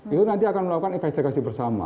itu nanti akan melakukan investigasi bersama